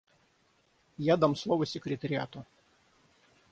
Я дам слово секретариату.